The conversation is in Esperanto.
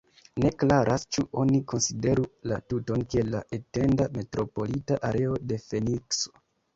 Ne klaras ĉu oni konsideru la tuton kiel la etenda metropolita areo de Fenikso.